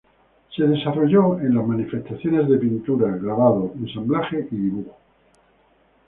Se desarrolló en las manifestaciones de pintura, grabado, ensamblaje y dibujo.